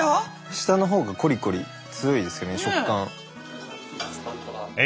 下の方がコリコリ強いですよね食感。